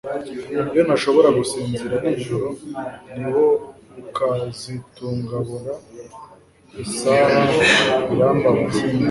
Iyo ntashobora gusinzira nijoro niho gukazitungabora isaha birambabaza